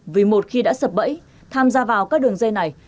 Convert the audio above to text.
vì một khi đã sập bẫy tham gia vào các đường dây này